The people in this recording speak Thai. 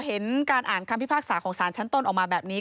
พอเห็นการอ่านคำพิพาคศาสตร์ของชั้นต้นออกมาแบบนี้